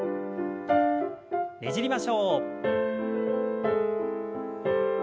ねじりましょう。